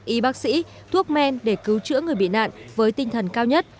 y bác sĩ thuốc men để cứu chữa người bị nạn với tinh thần cao nhất